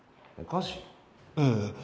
ええ。